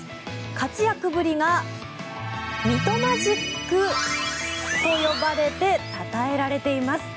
活躍ぶりがミトマジックと呼ばれてたたえられています。